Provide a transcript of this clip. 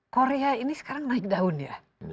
korea ini sekarang naik daun ya